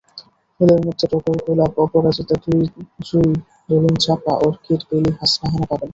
ফুলের মধ্যে টগর, গোলাপ, অপরাজিতা, জুই, দোলনচাঁপা, অর্কিড, বেলি, হাসনাহেনা পাবেন।